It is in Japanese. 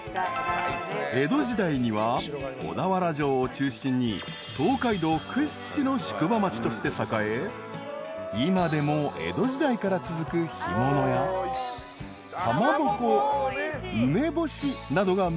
［江戸時代には小田原城を中心に東海道屈指の宿場町として栄え今でも江戸時代から続く干物やかまぼこ梅干しなどが名物として残っている］